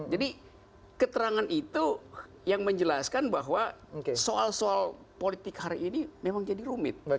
jadi keterangan itu yang menjelaskan bahwa soal soal politik hari ini memang jadi rumit